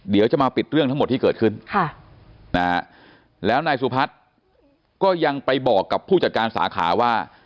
เดี๋ยวจะมาปิดเรื่องทั้งหมดที่เกิดขึ้นแล้วนายสุพัฒน์ก็ยังไปบอกกับผู้จัดการสาขาว่า